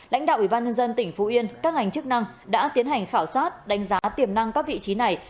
lãnh đạo ủy ban nhân dân tỉnh phú yên các ngành chức năng đã tiến hành khảo sát đánh giá tiềm năng các vị trí này